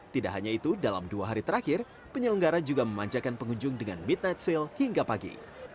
tidak hanya itu dalam dua hari terakhir penyelenggara juga memanjakan pengunjung dengan midnight sale hingga pagi